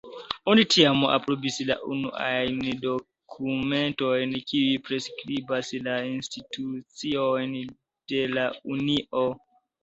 Oni tiam aprobis la unuajn dokumentojn kiuj priskribas la instituciojn de la Unio.